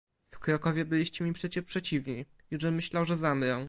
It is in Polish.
"W Krakowie byliście mi przecie przeciwni... Jużem myślał, że zamrę."